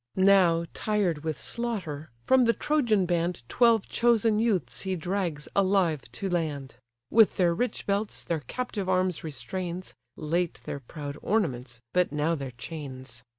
Now, tired with slaughter, from the Trojan band Twelve chosen youths he drags alive to land; With their rich belts their captive arms restrains (Late their proud ornaments, but now their chains).